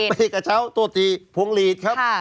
ไปกระเช้าตัวตีพวงรีดครับ